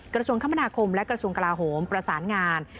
กระทรวงคมนาคมและกระทรวงกลาโหมประสานงาน